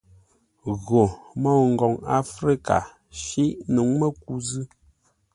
Gho, môu ngoŋ áfrə́ka, shîʼ nǔŋ məku zʉ̂.